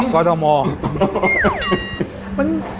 กอเทาโมย